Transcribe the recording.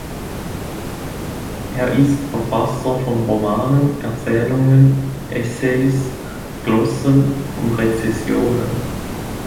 Er ist Verfasser von Romanen, Erzählungen, Essays, Glossen und Rezensionen.